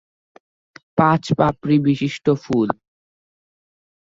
পাঁচ পাপড়ি বিশিষ্ট ফুল।